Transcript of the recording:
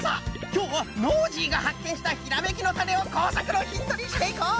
きょうはノージーがはっけんしたひらめきのタネをこうさくのヒントにしていこう！